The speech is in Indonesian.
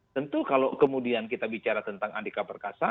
tentu kalau kemudian kita bicara tentang andika perkasa